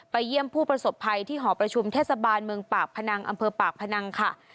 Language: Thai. เยี่ยมผู้ประสบภัยที่หอประชุมเทศบาลเมืองปากพนังอำเภอปากพนังค่ะ